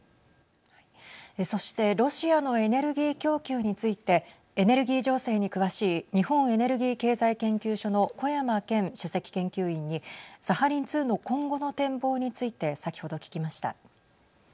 そしてロシアのエネルギー供給についてエネルギー情勢に詳しい日本エネルギー経済研究所の小山堅首席研究員にサハリン２の今後の展望について先ほど聞きました。